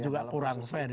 juga kurang fair